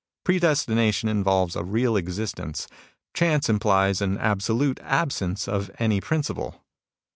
" Predestination involves a real existence. Chance implies an absolute absence of any principle.